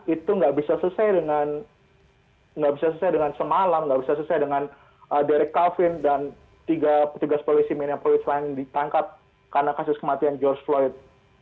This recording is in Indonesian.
itu nggak bisa sesuai dengan semalam nggak bisa selesai dengan derek kavin dan tiga petugas polisi miniapolis lain ditangkap karena kasus kematian george floyd